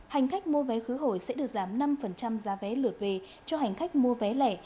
hành khách mua vé khứ hồi sẽ được giảm năm giá vé lượt về cho hành khách mua vé lẻ